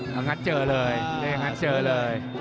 อย่างนั้นเจอเลยอย่างนั้นเจอเลย